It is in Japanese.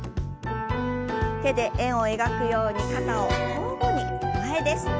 手で円を描くように肩を交互に前です。